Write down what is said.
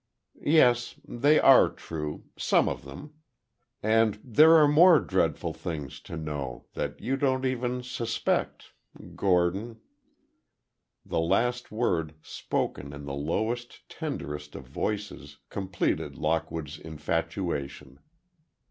"Yes—they are true—some of them. And there are more dreadful things to know—that you don't even suspect—Gordon." The last word, spoken in the lowest, tenderest of voices, completed Lockwood's infatuation.